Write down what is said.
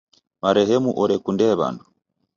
Marehemu orekundee w'andu.